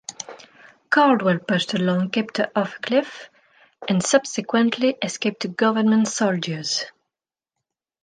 Caldwell pushed a lone captor off a cliff, and subsequently escaped to government soldiers.